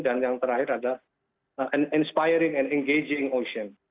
dan yang terakhir adalah an inspiring and engaging ocean